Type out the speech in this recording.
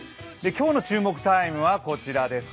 今日の注目タイムはこちらです。